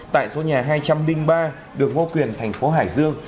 tại số nhà hai trăm linh ba đường ngô quyền thành phố hải dương